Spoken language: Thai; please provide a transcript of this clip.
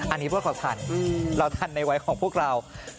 อันนี้เพื่อขอทันเราทันในวัยของพวกเรา